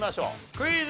クイズ。